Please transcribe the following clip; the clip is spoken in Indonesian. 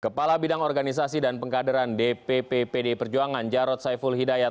kepala bidang organisasi dan pengkaderan dpp pdi perjuangan jarod saiful hidayat